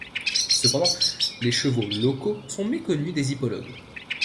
Cependant, les chevaux locaux sont méconnus des hippologues.